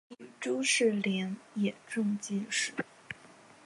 弟朱士廉也中进士。